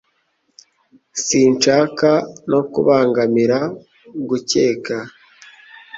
Sinshaka no kubangamira gukeka